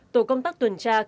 tổ công tác tuần tra kết thúc